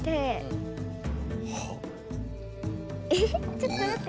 ⁉ちょっとまって。